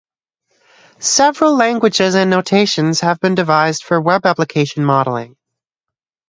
Several languages and notations have been devised for Web application modeling.